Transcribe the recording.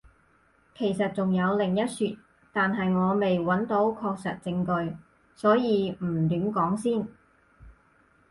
其實仲有另一說，但係我未揾到確實證據，所以唔亂講先